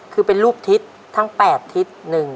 คือเป็นรูปทิศทั้ง๘ทิศ